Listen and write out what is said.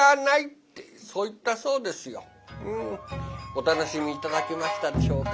お楽しみ頂けましたでしょうか？